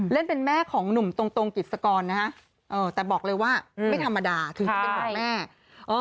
เล่นเป็นแม่ของหนุ่มตรงกิจสกรนะฮะแต่บอกเลยว่าไม่ธรรมดาถึงจะเป็นห่วงแม่